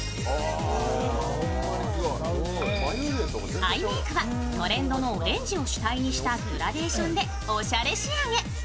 アイメイクはトレンドのオレンジを主体にしたグラデーションでおしゃれ仕上げ。